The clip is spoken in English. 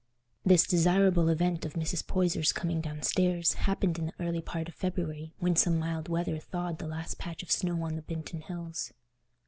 This desirable event of Mrs. Poyser's coming downstairs happened in the early part of February, when some mild weather thawed the last patch of snow on the Binton Hills.